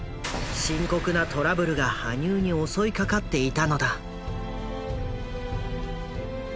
深刻なトラブルが羽生に襲いかかっていたのだ。